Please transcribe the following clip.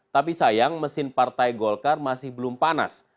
tapi sayang mesin partai golkar masih belum panas